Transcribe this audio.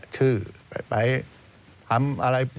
ชื่อไปทำอะไร